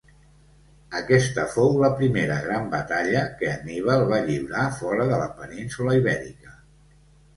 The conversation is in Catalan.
Aquesta fou la primera gran batalla que Hanníbal va lliurar fora de la península Ibèrica.